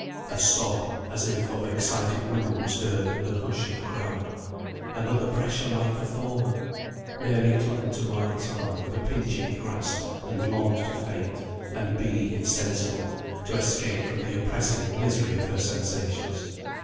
A sob, as if of excited women, was heard in the hush of the crowd. Another pressure like the former! Mary clung to Margaret's arm with a pinching grasp, and longed to faint, and be insensible, to escape from the oppressing misery of her sensations.